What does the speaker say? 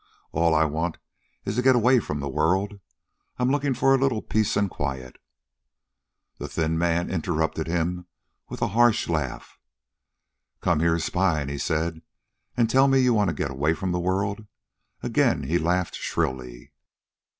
All I want is to get away from the world. I'm looking for a little peace and quiet." The thin man interrupted with a harsh laugh. "Come here spying," he said, "and tell me you want to get away from the world." Again he laughed shrilly.